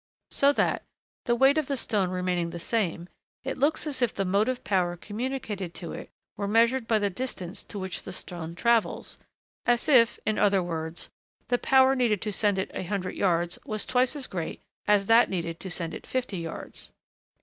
So that, the weight of the stone remaining the same, it looks as if the motive power communicated to it were measured by the distance to which the stone travels as if, in other words, the power needed to send it a hundred yards was twice as great as that needed to send it fifty yards.